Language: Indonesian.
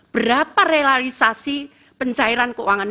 berapa realisasi pencairan keuangan